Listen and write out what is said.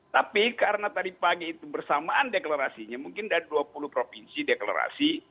tapi karena tadi pagi itu bersamaan deklarasinya mungkin dari dua puluh provinsi deklarasi